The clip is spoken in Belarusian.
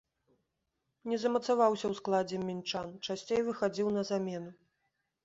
Не замацаваўся ў складзе мінчан, часцей выхадзіў на замену.